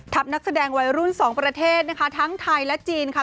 นักแสดงวัยรุ่นสองประเทศนะคะทั้งไทยและจีนค่ะ